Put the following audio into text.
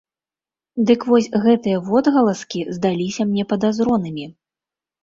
Дык вось гэтыя водгаласкі здаліся мне падазронымі.